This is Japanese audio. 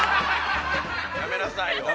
◆やめなさい。